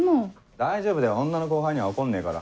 大丈夫だよ女の後輩には怒んねえから。